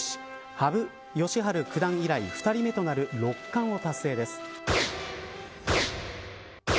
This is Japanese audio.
羽生善治九段以来、２人目となる六冠を達成です。